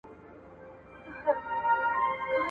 • اول سلام ،پسې اتام.